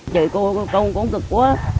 chị cô công cũng cực quá